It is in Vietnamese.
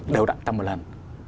đều đặn tăng một lần